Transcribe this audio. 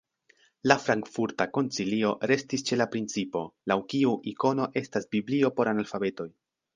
La Frankfurta koncilio restis ĉe la principo, laŭ kiu ikono estas "biblio por analfabetoj".